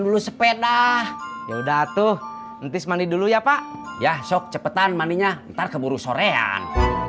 dulu sepeda ya udah tuh entis mandi dulu ya pak ya shock cepetan mandinya ntar keburu sorean